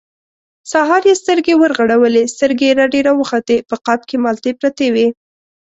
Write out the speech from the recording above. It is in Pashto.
سهار يې سترګې ورغړولې، سترګې يې رډې راوختې، په غاب کې مالټې پرتې وې.